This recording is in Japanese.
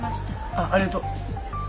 あっありがとう。